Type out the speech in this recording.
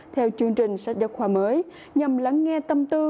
theo chương trình sách giáo khoa mới nhằm lắng nghe tâm tư